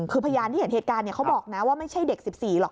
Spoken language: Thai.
คือพยานที่เห็นเหตุการณ์เขาบอกนะว่าไม่ใช่เด็ก๑๔หรอก